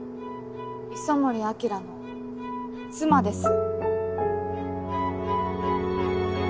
磯森晶の妻です。